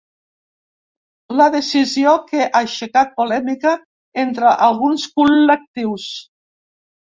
La decisió que ha aixecat polèmica entre alguns col·lectius.